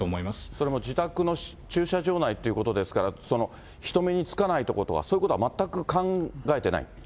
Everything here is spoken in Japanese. それも自宅の駐車場内ということですから、人目につかない所とか、そういうことは全く考えてない？